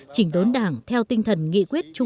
chỉnh đốn đảng theo tinh thần nguyên liệu của hà nội